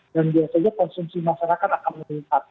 dan biasa juga konsumsi masyarakat akan meningkat